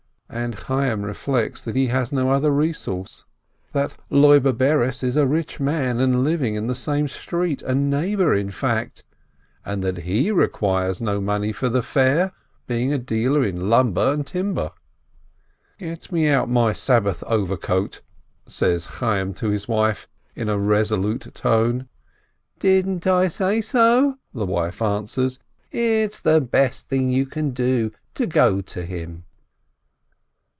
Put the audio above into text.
And Chayyim reflects that he has no other resource, that Loibe Bares is a rich man, and living in the same street, a neighbor in fact, and that he requires no money for the fair, being a dealer in lumber and timber. "Give me out my Sabbath overcoat!" says Chayyim to his wife, in a resolute tone. "Didn't I say so?" the wife answers. "It's the best thing you can do, to go to him."